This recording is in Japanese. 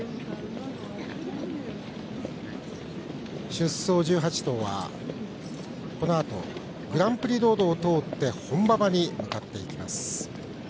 出走１８頭は、このあとグランプリロードを通って本馬場へと向かっていきます。